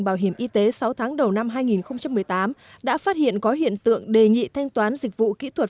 bảo hiểm y tế sáu tháng đầu năm hai nghìn một mươi tám đã phát hiện có hiện tượng đề nghị thanh toán dịch vụ kỹ thuật